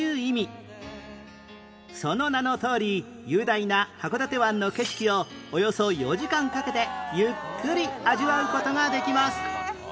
その名のとおり雄大な函館湾の景色をおよそ４時間かけてゆっくり味わう事ができます